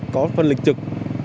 có phân lịch trực